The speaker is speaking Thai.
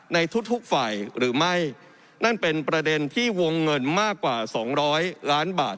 ในทุกทุกฝ่ายหรือไม่นั่นเป็นประเด็นที่วงเงินมากกว่าสองร้อยล้านบาท